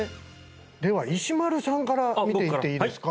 では石丸さんから見ていっていいですか？